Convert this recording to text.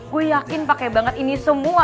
gue yakin pakai banget ini semua